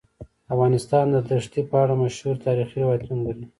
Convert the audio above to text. افغانستان د دښتې په اړه مشهور تاریخی روایتونه لري.